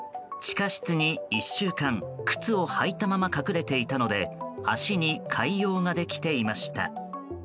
地下室に１週間靴を履いたまま隠れていたので足に潰瘍ができていました。